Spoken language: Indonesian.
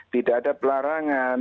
tidak ada pelarangan